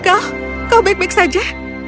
kau kau baik baik saja